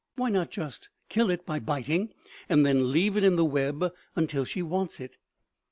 Why not just kill it by biting, and then leave it in the web until she wants it?"